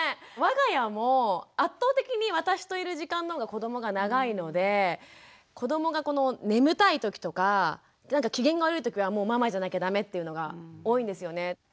我が家も圧倒的に私といる時間の方が子どもが長いので子どもがこの眠たい時とかなんか機嫌が悪い時はもうママじゃなきゃ駄目っていうのが多いんですよね。